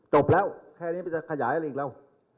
จบแล้วแค่นี้มันจะขยายอะไรอีกแล้ว